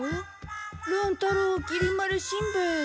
乱太郎きり丸しんべヱ。